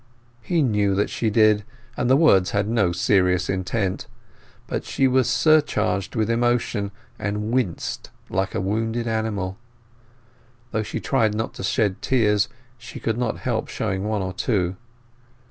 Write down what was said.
He knew that she did, and the words had no serious intent; but she was surcharged with emotion, and winced like a wounded animal. Though she tried not to shed tears, she could not help showing one or two.